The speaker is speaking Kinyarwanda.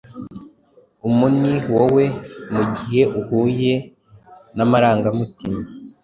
Umuni woe, mugihe uhuye namarangamutima